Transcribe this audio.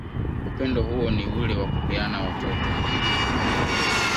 Upendo hou ni ule wa kupeana watoto